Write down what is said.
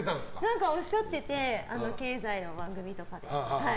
何か、おっしゃっていて経済の番組で。